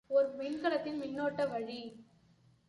ஒரு மின்கலத்தின் மின்னோட்ட வழி.